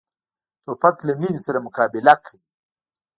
توپک له مینې سره مقابله کوي.